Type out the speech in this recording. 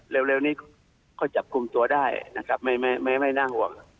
เร็วนี้ก็จับกลุ่มตัวได้นะครับไม่น่าห่วง